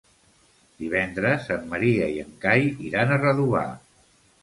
Divendres en Maria i en Cai iran a Redovà.